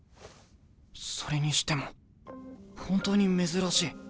それにしても本当に珍しい。